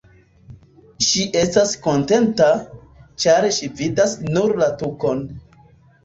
Ŝi estas kontenta, ĉar ŝi vidas nur la tukon.